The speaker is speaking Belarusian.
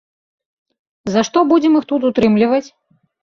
За што будзем іх тут утрымліваць?